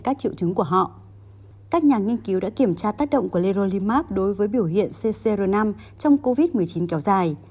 các nhà nghiên cứu đã kiểm tra tác động của lerolimab đối với biểu hiện ccr năm trong covid một mươi chín kéo dài